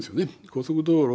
高速道路